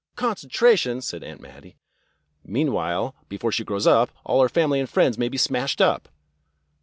" Concentration !" said Aunt Mattie. " Meanwhile, before she grows up all her family and friends may be smashed up."